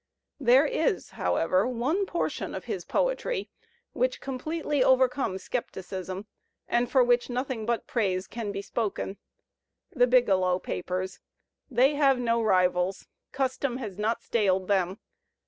There is, however, one portion of his poetry which completely over comes scepticism and for which nothing but praise can be spoken — "The Biglow Papers." They have no rivals. Custom has not staled them.